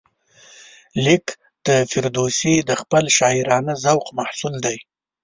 لیک د فردوسي د خپل شاعرانه ذوق محصول دی.